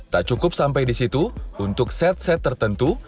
tak cukup sampai di situ untuk set set tertentu